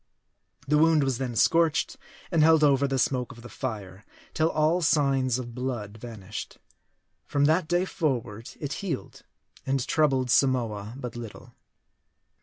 The wound was then scorched, and held over the smoke of the fire, till all signs of blood vanished. From that day forward it healed, and troubled Samoa but little.